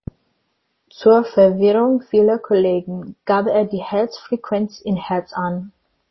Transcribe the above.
Zur Verwirrung vieler Kollegen, gab er die Herzfrequenz in Hertz an.